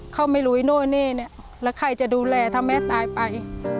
เขาไม่รู้ไอ้โน่นี่เนี่ยแล้วใครจะดูแลถ้าแม่ตายไป